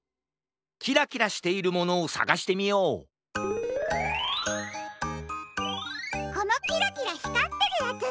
キラキラしているものをさがしてみようこのキラキラひかってるヤツだ！